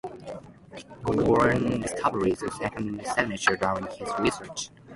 Moran discovered a second signature during his research.